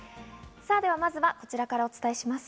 まずはこちらからお伝えします。